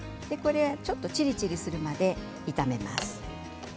ちょっと、ちりちりするまで炒めます。